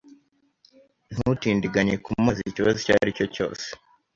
Ntutindiganye kumbaza ikibazo icyo ari cyo cyose.